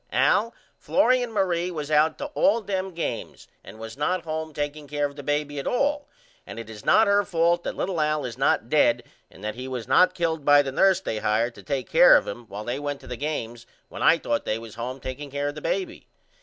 Al Florrie and Marie was out to all them games and was not home takeing care of the baby at all and it is not her fault that little Al is not dead and that he was not killed by the nurse they hired to take care of him while they went to the games when I thought they was home takeing care of the baby.